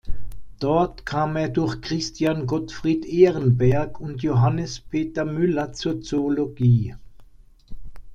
Dort kam er durch Christian Gottfried Ehrenberg und Johannes Peter Müller zur Zoologie.